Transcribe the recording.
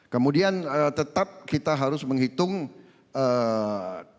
kemudian tetap kita harus menghitung